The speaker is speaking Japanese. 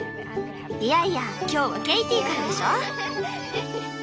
いやいや今日はケイティからでしょ。